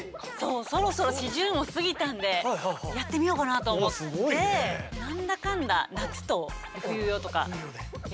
そろそろ四十も過ぎたんでやってみようかなと思って何だかんだうわ